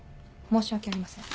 申し訳ありません。